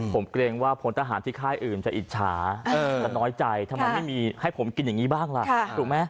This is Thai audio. ผมเกรงว่าพลทหารที่ค่ายอื่นจะอิจฉาจะน้อยใจทำไมไม่มีให้ผมกินอย่างนี้บ้างล่ะถูกไหม